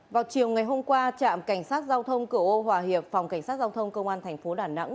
vào chiều ngày hôm qua trạm cảnh sát giao thông cửa ô hòa hiệp phòng cảnh sát giao thông công an thành phố đà nẵng